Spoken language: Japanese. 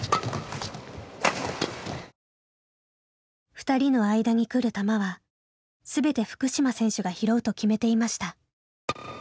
ふたりの間に来る球は全て福島選手が拾うと決めていました。